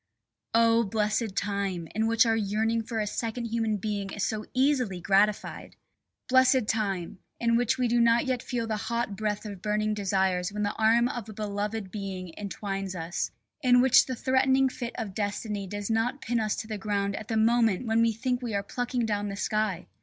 Oh! blessed time, in which our yearning for a second human being is so easily gratified! Blessed time, in which we do not yet feel the hot breath of burning desires when the arm of a beloved being entwines us, in which the threatening fist of Destiny does not pin us to the ground at the moment when we think we are plucking down the sky!